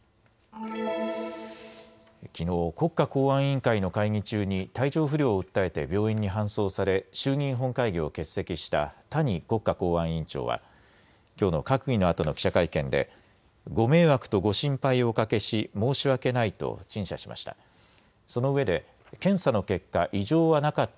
きのう国家公安委員会の会議中に体調不良を訴えて病院に搬送され衆議院本会議を欠席した谷国家公安委員長はきょうの閣議のあとの記者会見で、ご迷惑とご心配ををおかけし申し訳ないと陳謝しました。